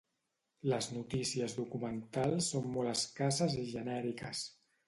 Les notícies documentals són molt escasses i genèriques.